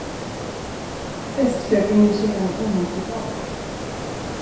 Bäst fröken ger sig hem omedelbart.